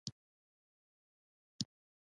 د زندان به مي نن شل کاله پوره وای